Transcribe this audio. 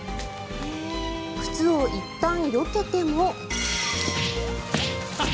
靴をいったんよけても。